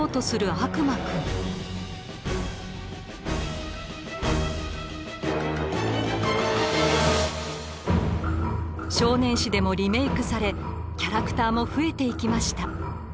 少年誌でもリメークされキャラクターも増えていきました。